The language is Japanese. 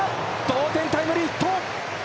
同点タイムリーヒット！